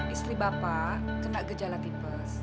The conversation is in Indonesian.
istri bapak kena gejala tipes